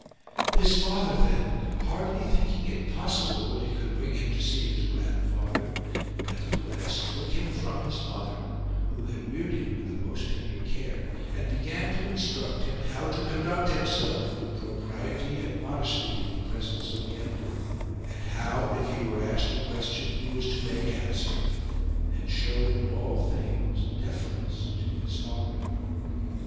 His father then, hardly thinking it possible that he could bring him to see his grandfather, nevertheless took him from his mother, who had reared him with the most tender care, and began to instruct him how to conduct himself with pro priety and modesty in the presence of the emperor ; and how if he were asked a question he was to make answer and show in all things deference to his father.